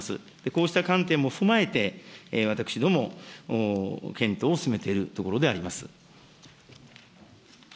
こうした観点も踏まえて、私ども検討を進めているところであります。